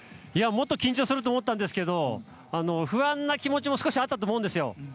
もっと緊張すると思ったんですが不安な気持ちも少しあったと思うんです。